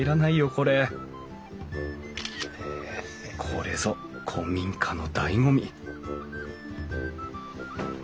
これこれぞ古民家のだいご味！